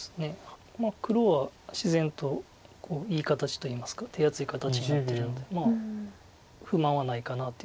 黒は自然といい形といいますか手厚い形になってるので不満はないかなというとこです。